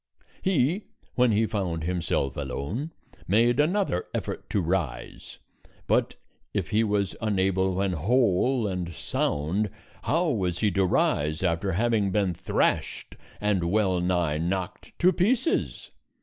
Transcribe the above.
He, when he found himself alone, made another effort to rise; but if he was unable when whole and sound, how was he to rise after having been thrashed and well nigh knocked to pieces!